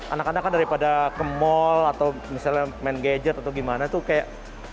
anak anak kan daripada ke mall atau misalnya main gadget atau gimana tuh kayak